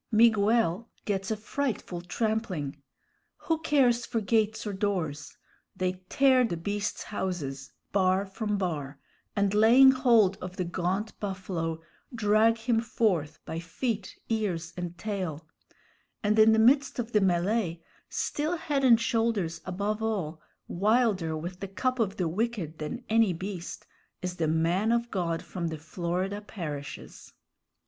Miguel gets a frightful trampling. Who cares for gates or doors? They tear the beasts' houses bar from bar, and, laying hold of the gaunt buffalo, drag him forth by feet, ears, and tail; and in the midst of the mêlée, still head and shoulders above all, wilder, with the cup of the wicked, than any beast, is the man of God from the Florida parishes!